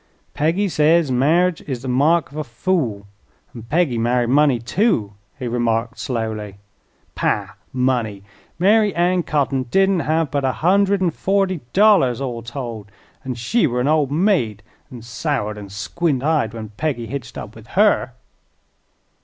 "Peggy says marri'ge is the mark of a fool; an' Peggy married money, too," he remarked slowly. "Pah! money! Mary Ann Cotting didn't hev but a hundred an' forty dollars, all told, an' she were an old maid an' soured an' squint eyed when Peggy hitched up with her."